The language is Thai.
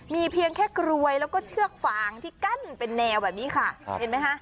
มีเพียงแค่กรวยแล้วก็เชือกฟางที่กั้นเป็นแนวแบบนี้ค่ะเห็นไหมคะ